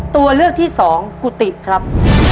ตัวเลือกที่สองกุฏิครับ